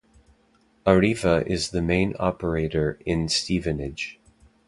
Arriva is the main operator in Stevenage.